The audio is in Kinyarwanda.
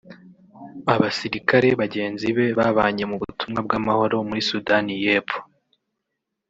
Abasirikare bagenzi be babanye mu butumwa bw’amahoro muri Sudani y’Epfo